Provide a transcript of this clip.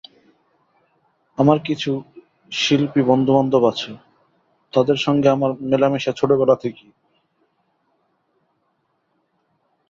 আমার কিছু শিল্পী বন্ধুবান্ধব আছে, তাদের সঙ্গে আমার মেলামেশা ছোটবেলা থেকেই।